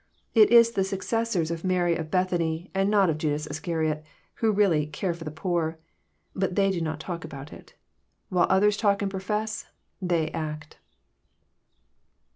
It is the succes> sors of Mary of Bethany, and not of Judas Iscariot, who really '* care for the poor." But they do not talk about it. While others talk and profess, they act.